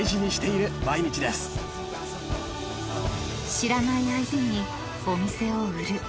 ［知らない相手にお店を売る］